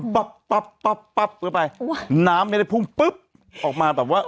ปั๊บปั๊บปั๊บปั๊บเข้าไปน้ำไม่ได้พุ่งปุ๊บออกมาแบบว่า